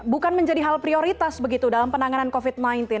bukan menjadi hal prioritas begitu dalam penanganan covid sembilan belas